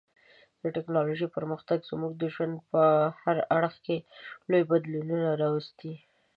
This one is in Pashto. د ټکنالوژۍ پرمختګ زموږ د ژوند په هر اړخ کې لوی بدلونونه راوستي دي.